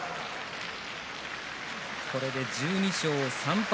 これで１２勝３敗。